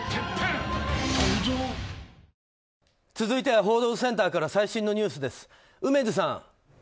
続いては報道センターから最新のニュースです、梅津さん。